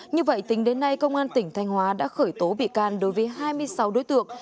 như vậy tính đến nay công an tỉnh thanh hóa đã khởi tố bị can đối với hai mươi sáu đối tượng